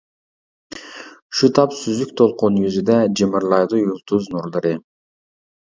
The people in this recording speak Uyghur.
شۇ تاپ سۈزۈك دولقۇن يۈزىدە، جىمىرلايدۇ يۇلتۇز نۇرلىرى.